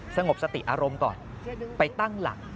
สงบสติอารมณ์ก่อนไปตั้งหลัก